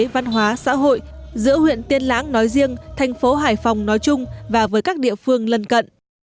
văn hóa xã hội giữa huyện tiên lãng nói riêng thành phố hải phòng nói chung và với các địa phương lân cận